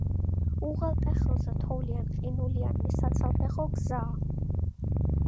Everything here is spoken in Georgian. უღელტეხილზე თოვლიან-ყინულიანი საცალფეხო გზაა.